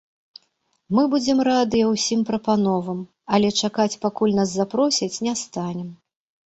Мы будзем радыя ўсім прапановам, але чакаць пакуль нас запросяць не станем.